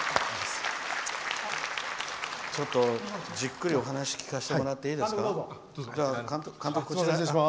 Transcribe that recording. ちょっと、じっくりお話を聞かせてもらっていいですか。